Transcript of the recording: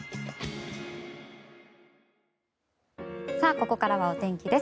ここからはお天気です。